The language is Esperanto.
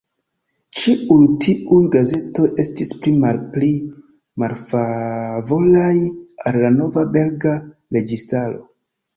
Ĉiuj tiuj gazetoj estis pli malpli malfavoraj al la nova belga registaro.